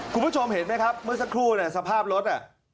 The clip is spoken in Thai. คุณผู้ชมเห็นไหมครับเมื่อสักครู่เนี่ยสภาพรถ